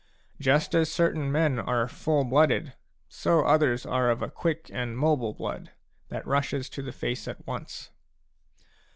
Just as certain men are full blooded, so others are of a quick and mobile blood, that rushes to the face at once.